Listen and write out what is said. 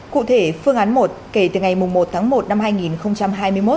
cụ thể phương án một kể từ ngày một tháng một năm hai nghìn hai mươi một